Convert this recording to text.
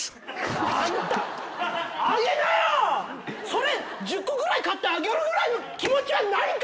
それ１０個ぐらい買ってあげるぐらいの気持ちはないんか！